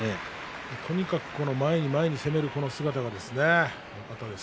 とにかく前に前に攻める姿がよかったです。